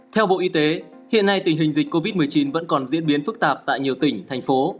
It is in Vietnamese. theo bộ y tế hiện nay tình hình dịch covid một mươi chín vẫn còn diễn biến phức tạp tại nhiều tỉnh thành phố